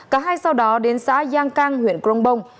cả hai sau đó đến xã giang cang huyện crong bông